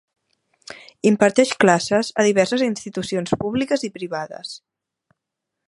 Imparteix classes a diverses institucions públiques i privades.